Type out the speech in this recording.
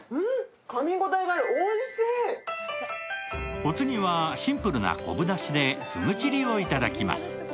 お次はシンプルな昆布だしでふぐちりをいただきます。